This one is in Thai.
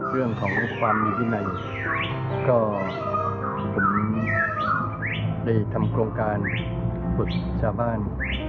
เรื่องของความมีวินัยก็ผมได้ทำโครงการฝึกชาวบ้าน